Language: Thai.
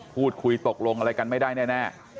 พูดคุยตกลงอะไรกันไม่ได้แน่